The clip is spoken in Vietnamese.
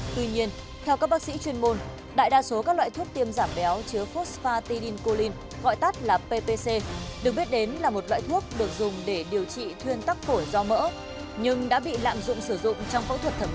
tuy nhiên theo các bác sĩ chuyên môn đại đa số các loại thuốc tiêm giảm béo chứa fosfa tidin colin gọi tắt là ppc được biết đến là một loại thuốc được dùng để điều trị thuyên tắc phổi do mỡ nhưng đã bị lạm dụng sử dụng trong phẫu thuật thẩm mỹ